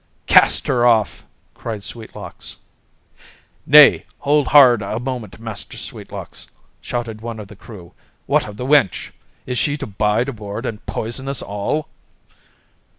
"Cast her off!" cried Sweetlocks. "Nay, hold hard a moment, Master Sweetlocks!" shouted one of the crew. "What of the wench? Is she to bide aboard and poison us all?"